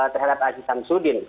terhadap aziz syamsuddin